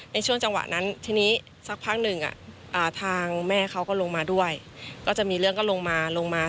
ในช่วงจังหวะนั้นทีนี้สักพักหนึ่งทางแม่เขาก็ลงมาด้วยก็จะมีเรื่องก็ลงมาลงมา